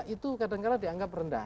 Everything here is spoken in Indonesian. itu kadang kadang dianggap rendah